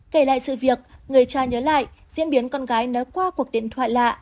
kể lại sự việc người cha nhớ lại diễn biến con gái nới qua cuộc điện thoại lạ